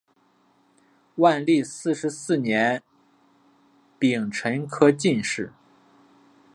万历四十四年丙辰科进士。